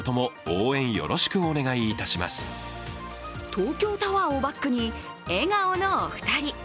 東京タワーをバックに笑顔のお二人。